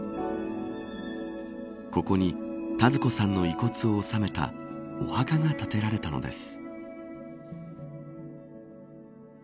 ここに田鶴子さんの遺骨を納めたお墓が建てられたのです。